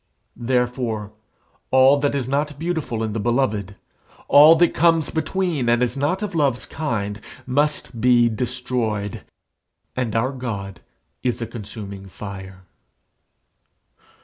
Therefore all that is not beautiful in the beloved, all that comes between and is not of love's kind, must be destroyed. And our God is a consuming fire.